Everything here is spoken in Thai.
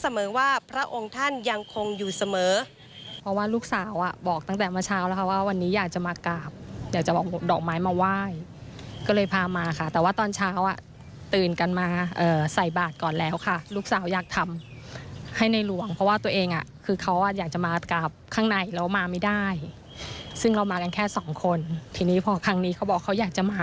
ซึ่งเรามากันแค่สองคนทีนี้พอครั้งนี้เขาบอกเขาอยากจะมา